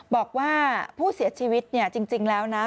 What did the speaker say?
บอกว่าผู้เสียชีวิตเนี่ยจริงแล้วนะ